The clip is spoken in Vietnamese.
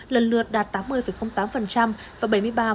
lần lượt đạt tám mươi tám và bảy mươi ba ba mươi ba